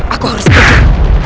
aku harus pergi